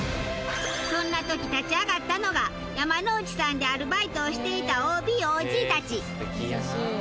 そんな時立ち上がったのが山之内さんでアルバイトをしていたＯＢＯＧたち。